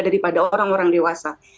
daripada orang orang dewasa